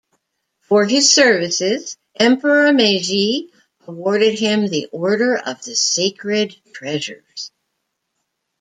For his services, Emperor Meiji awarded him the Order of the Sacred Treasures.